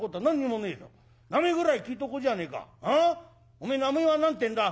おめえ名前は何ていうんだ？